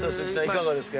いかがですか？